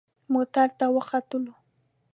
موټر ته وختلو.